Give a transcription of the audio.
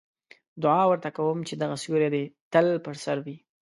دعا ورته کوم چې دغه سیوری دې تل په سر وي.